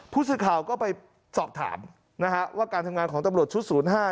พุธศิษย์ข่าวก็ไปสอบถามว่าการทำงานของตำรวจชุด๐๕